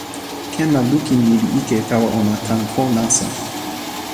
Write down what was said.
ken la lukin mi li ike tawa ona tan ko nasa.